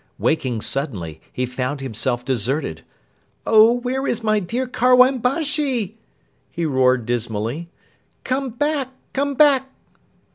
Waking suddenly, he found himself deserted. "Oh, where is my dear Karwan Bashi?" he roared dismally. "Come back! Come back!"